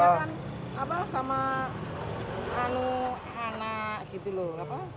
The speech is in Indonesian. iya nggak sempet nah soalnya kan sama anak gitu loh